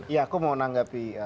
ya aku mau menanggapi